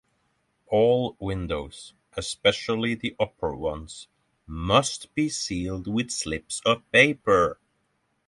All windows, especially the upper ones, must be sealed with slips of paper.